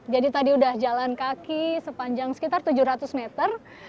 jadi tadi sudah jalan kaki sepanjang sekitar tujuh ratus meter